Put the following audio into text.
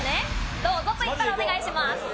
どうぞと言ったらお願いします。